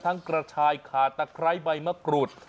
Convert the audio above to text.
กระชายขาตะไคร้ใบมะกรูด